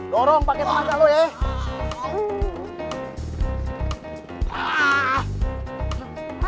dorong pake tempatnya lo ya